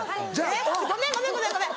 ごめんごめんごめんごめん